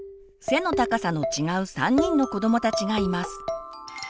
背の高さの違う３人の子どもたちがいます。